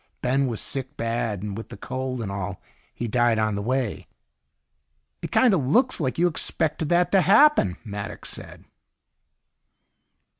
Ben was sick bad, and with the cold and all, he died on the way." "It kind of looks like you expected that to happen," Maddox said.